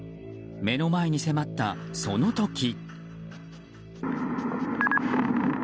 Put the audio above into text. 目の前に迫った、その時。